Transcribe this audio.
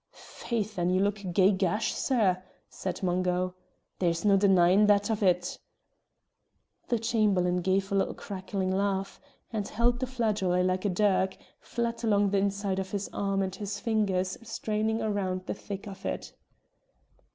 "Faith and ye look gey gash, sir," said Mungo; "there's no denyin' that of it." The Chamberlain gave a little crackling laugh, and held the flageolet like a dirk, flat along the inside of his arm and his fingers straining round the thick of it.